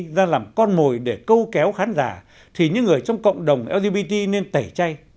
ra làm con mồi để câu kéo khán giả thì những người trong cộng đồng lgbt nên tẩy chay